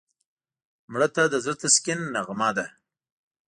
مړه ته د زړه تسکین نغمه ده